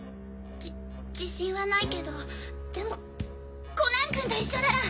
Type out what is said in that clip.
じ自信はないけどでもコナンくんと一緒なら！